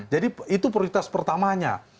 jadi itu prioritas pertamanya